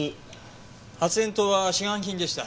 発煙筒は市販品でした。